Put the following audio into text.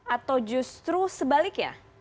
atau justru sebaliknya